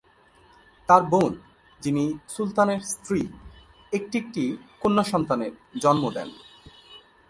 তার বোন, যিনি সুলতানের স্ত্রী, একটি একটি কন্যা সন্তানের জন্ম দেন।